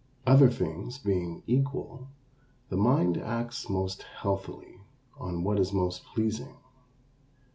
Other things being equal, the mind acts most healthfully on what is most pleasing.